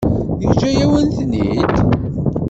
Yeǧǧa-yawen-ten-id?